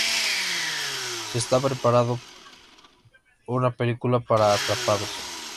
Se está preparando una película para Atrapados.